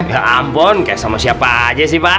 ya ampun kayak sama siapa aja sih pak